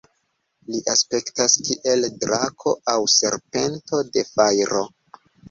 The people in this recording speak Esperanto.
Li aspektas kiel drako aŭ serpento de fajro.